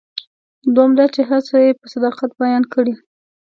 دوهم دا چې هر څه یې په صداقت بیان کړي.